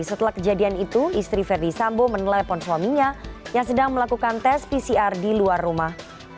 setelah kejadian itu istri verdi sambo menelpon suaminya yang sedang melakukan tes pcr di luar rumah